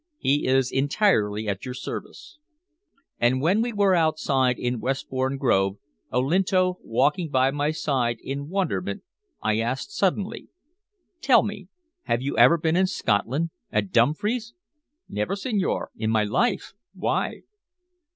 He is entirely at your service." And when we were outside in Westbourne Grove, Olinto walking by my side in wonderment, I asked suddenly: "Tell me. Have you ever been in Scotland at Dumfries?" "Never, signore, in my life. Why?"